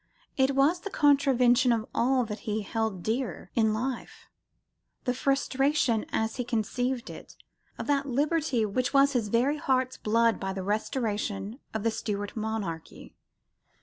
It was the contravention of all that he held most dear in life, the frustration, as he conceived it, of that liberty which was his very heart's blood by the Restoration of the Stuart monarchy.